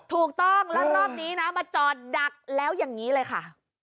ถูกต้องแล้วรอบนี้นะมาจอดดักแล้วอย่างนี้เลยค่ะ